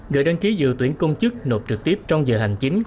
người đăng ký dự tuyển công chức nộp trực tiếp trong giờ hành chính